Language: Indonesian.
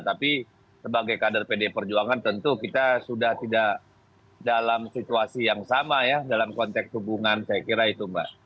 tapi sebagai kader pd perjuangan tentu kita sudah tidak dalam situasi yang sama ya dalam konteks hubungan saya kira itu mbak